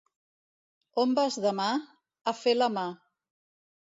On vas demà? —A fer la mà.